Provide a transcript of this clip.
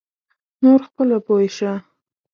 نور خپله پوی شه.